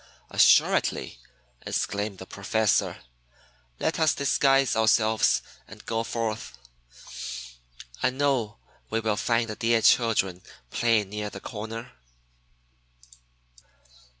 "Assuredly!" exclaimed the Professor. "Let us disguise ourselves and go forth. I know that we will find the dear children playing near the corner."